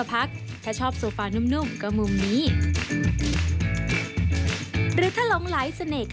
ไปชมพร้อมกันค่ะ